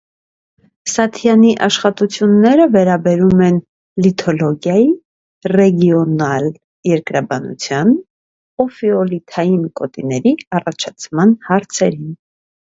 Սաթյանի աշխատությունները վերաբերում են լիթոլոգիայի, ռեգիոնալ երկրաբանության, օֆիոլիթային գոտիների առաջացման հարցերին։